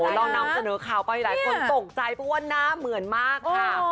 โอ้โหลองน้องเสนอข่าวไปหลายคนตกใจเพราะว่าน่าเหมือนมากค่ะ